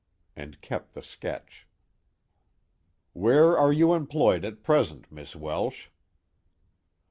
and kept the sketch. "Where are you employed at present, Miss Welsh?"